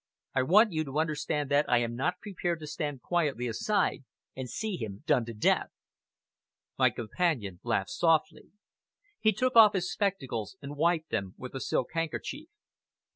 I want you to understand that I am not prepared to stand quietly aside and see him done to death!" My companion laughed softly. He took off his spectacles, and wiped them with a silk handkerchief.